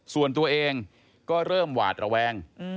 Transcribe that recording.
ส่วนตัวเองก็เริ่มหวาดระแวง